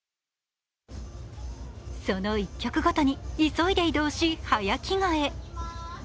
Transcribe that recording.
その１曲ごとに急いで移動し、早着替え。